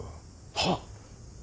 はっ。